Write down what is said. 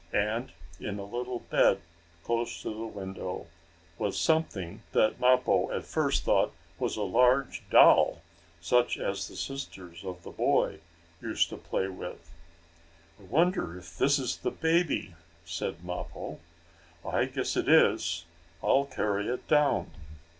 And, in a little bed, close to the window, was something that Mappo at first thought was a large doll, such as the sisters of the boy used to play with. "I wonder if this is the baby," said Mappo. "I guess it is. I'll carry it down."